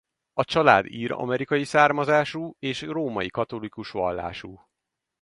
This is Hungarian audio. A család ír-amerikai származású és római katolikus vallású.